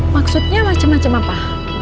maksudnya macem macem apa